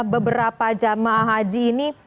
beberapa jamaah haji ini